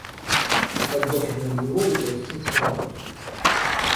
Мы поддерживаем его и палестинский народ.